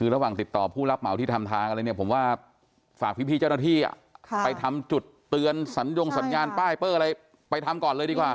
ระหว่างติดต่อผู้รับเหมาที่ทำทางอะไรเนี่ยผมว่าฝากพี่เจ้าหน้าที่ไปทำจุดเตือนสัญญงสัญญาณป้ายเปอร์อะไรไปทำก่อนเลยดีกว่า